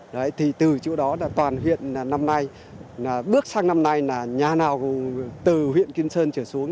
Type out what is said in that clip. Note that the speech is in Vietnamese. đấy thì từ chỗ đó là toàn huyện năm nay là bước sang năm nay là nhà nào từ huyện kim sơn trở xuống